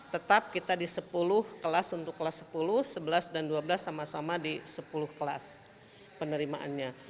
tetap kita di sepuluh kelas untuk kelas sepuluh sebelas dan dua belas sama sama di sepuluh kelas penerimaannya